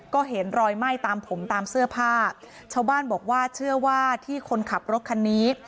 ก็เห็นรอยไหม้ตามผมตามเสื้อผ้าชาวบ้านบอกว่าเชื่อว่าที่คนขับรถคันนี้